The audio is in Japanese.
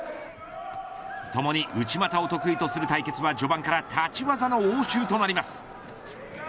ともに内股を得意とする対決は序盤から立ち技の応酬となります。